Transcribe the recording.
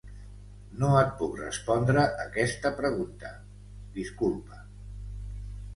No et puc respondre aquesta pregunta, disculpa.